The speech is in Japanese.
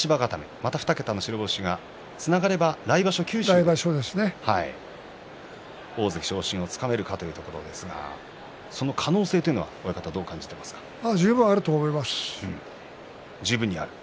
また２桁の白星がつながれば来場所、九州で大関昇進をつかめるかというところですがその可能性というのは十分あると思います。